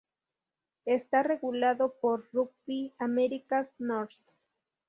Esta regulado por Rugby Americas North.